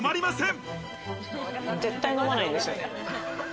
絶対飲まないんですよね。